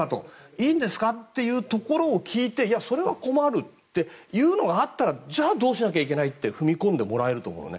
いいんですかっていうところを聞いてそれは困るというのがあったらじゃあどうしなきゃいけないって踏み込んでもらえると思うのね。